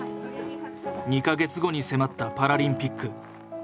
２か月後に迫ったパラリンピック。